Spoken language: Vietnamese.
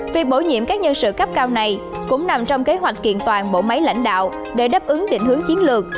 việc bổ nhiệm các nhân sự cấp cao này cũng nằm trong kế hoạch kiện toàn bộ máy lãnh đạo để đáp ứng định hướng chiến lược